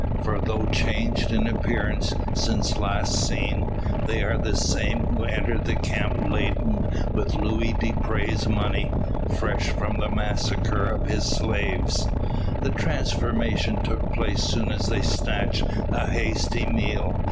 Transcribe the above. For though changed in appearance, since last seen, they are the same who entered the camp laden with Luis Dupre's money fresh from the massacre of his slaves. The transformation took place soon as they snatched a hasty meal.